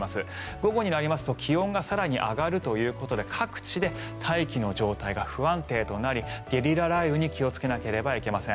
午後になると気温が更に上がるということで各地で大気の状態が不安定となりゲリラ雷雨に気をつけなければいけません。